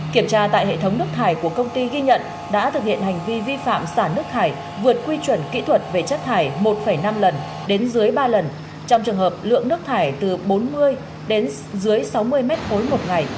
kiểm tra tại hệ thống nước thải của công ty ghi nhận đã thực hiện hành vi vi phạm xả nước thải vượt quy chuẩn kỹ thuật về chất thải một năm lần đến dưới ba lần trong trường hợp lượng nước thải từ bốn mươi đến dưới sáu mươi m ba một ngày